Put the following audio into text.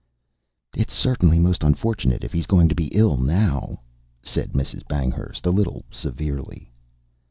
"It's certainly most unfortunate if he's going to be ill now," said Mrs. Banghurst a little severely.